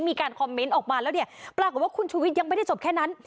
มีการคอมเมนต์ออกมาแล้วเนี่ยปรากฏว่าคุณชูวิทย์ยังไม่ได้จบแค่นั้น